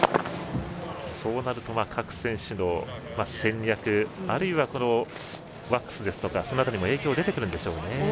そうなると、各選手の戦略あるいはワックスとか影響出てくるでしょうね。